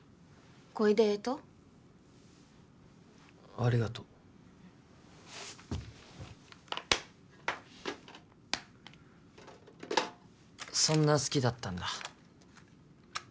ありがとうそんな好きだったんだ